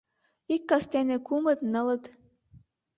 Ик кастене кумыт-нылыт: